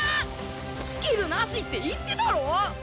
スキルなしって言ってたろ！